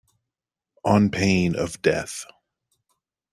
On pain of death.